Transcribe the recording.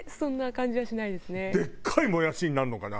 でっかいもやしになるのかな？